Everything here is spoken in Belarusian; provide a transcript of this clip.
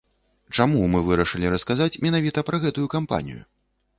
Чаму мы вырашылі расказаць менавіта пра гэтую кампанію?